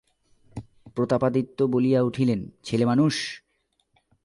প্রতাপাদিত্য বলিয়া উঠিলেন, ছেলেমানুষ!